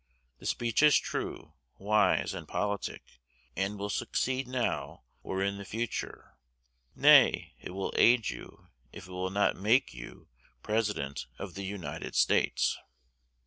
The speech is true, wise, and politic, and will succeed now or in the future. Nay, it will aid you, if it will not make you President of the United States.'